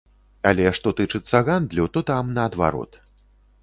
Але што тычыцца гандлю, то там наадварот.